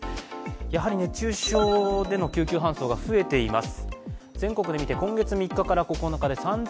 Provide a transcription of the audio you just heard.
やはり熱中症での救急搬送が増えています。